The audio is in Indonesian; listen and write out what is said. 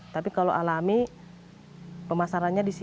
tapi kalau alami pemasarannya disini